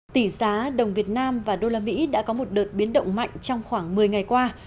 tỷ giá đồng việt nam và đô la mỹ đã có một đợt biến động mạnh trong khoảng một mươi ngày qua